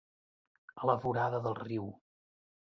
A la vorada del riu.